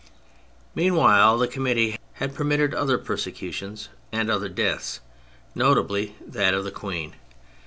Meanwhile the Committee had permitted other persecutions and other deaths, notably that of the Queen.